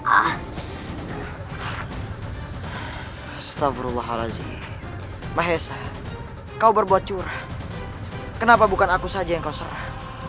ah mahesa kau berbuat curah kenapa bukan aku saja yang kau serah